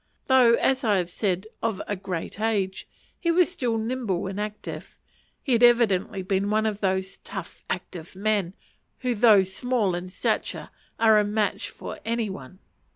Though, as I have said, of a great age, he was still nimble and active: he had evidently been one of those tough active men, who though small in stature, are a match for any one.